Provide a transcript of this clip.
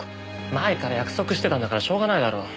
前から約束してたんだからしょうがないだろ。